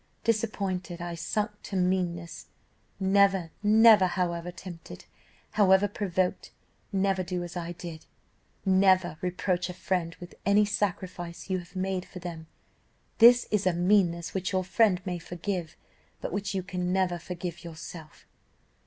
Disappointed, I sunk to meanness; never, never, however tempted, however provoked, never do as I did, never reproach a friend with any sacrifice you have made for them; this is a meanness which your friend may forgive, but which you can never forgive yourself.